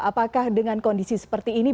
apakah dengan kondisi seperti ini